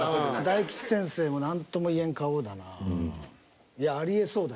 大吉先生も何とも言えん顔だな。